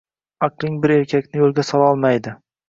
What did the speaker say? Aqling bir erkakni yoʻlga sololmaydi.